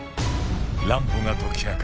乱歩が解き明かす